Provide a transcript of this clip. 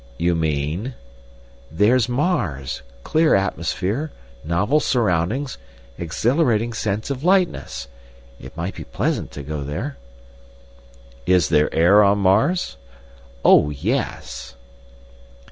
"You mean?" "There's Mars—clear atmosphere, novel surroundings, exhilarating sense of lightness. It might be pleasant to go there." "Is there air on Mars?" "Oh, yes!"